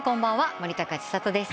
森高千里です。